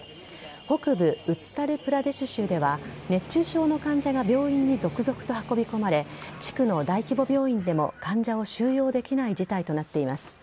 北部ウッタルプラデシュ州では、熱中症の患者が病院に続々と運び込まれ、地区の大規模病院でも患者を収容できない事態となっています。